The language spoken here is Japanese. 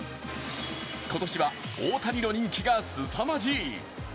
今年は大谷の人気がすさまじい。